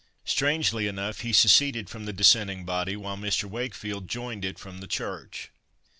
Strangely enough, he seceded from the Dissenting body, while Mr. Wakefield joined it from the Church.